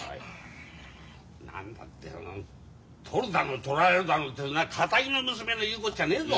何だってとるだのとられるだのかたぎの娘の言うこっちゃねえぞ。